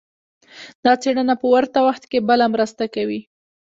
دا څېړنه په ورته وخت کې بله مرسته کوي.